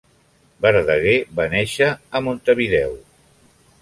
Verdaguer va néixer a Montevideo.